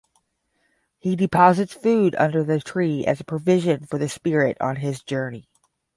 He deposits food under the tree as provision for the spirit on his journey.